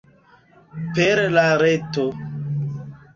Per la reto.